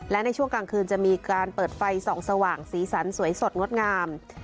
และในช่วงกลางคืนจะมีการเปิดไฟส่องสว่างสีสันสวยสดงดงาม